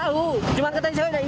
tahu cuma ketika saya udah izin